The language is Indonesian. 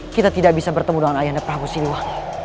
kita tidak bisa bertemu dengan ayah dan prabu siliwangi